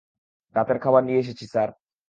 রাতের খাবার নিয়ে এসেছি স্যার।